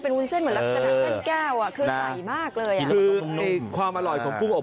วุ้นเส้นเหมือนลักษณะกั้นแก้วอ่ะคือใส่มากเลยอ่ะคือในความอร่อยของกุ้งอบ